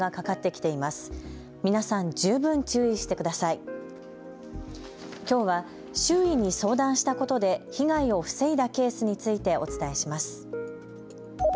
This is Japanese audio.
きょうは周囲に相談したことで被害を防いだケースについてお伝えします。